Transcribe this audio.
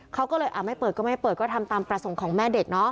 เขาก็เลยไม่เปิดก็ไม่เปิดก็ทำตามประสงค์ของแม่เด็กเนาะ